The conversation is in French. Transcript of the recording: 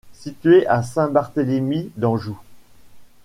Située à Saint-Barthélemy d’Anjou.